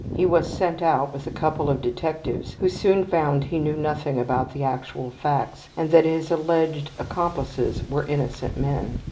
He was sent out with a couple of detectives who soon found he knew nothing about the actual facts, and that his alleged accomplices were innocent men.